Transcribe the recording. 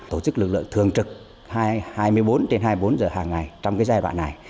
tổ chức lực lượng thường trực hai mươi bốn trên hai mươi bốn giờ hàng ngày trong giai đoạn này